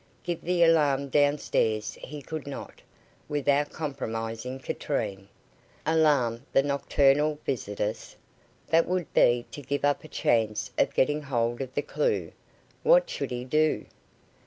Give the alarm down stairs he could not, without compromising Katrine. Alarm the nocturnal visitors? That would be to give up a chance of getting hold of the clue. What should he do?